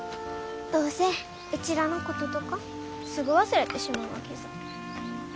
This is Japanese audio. どうせうちらのこととかすぐ忘れてしまうわけさ。